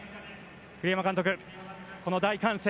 栗山監督、この大歓声